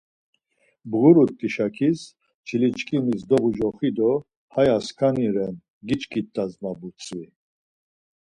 Bğurut̆i şakis çiliçkimis dobucoxi do 'haya skani ren, giçkit̆as' ma butzvi.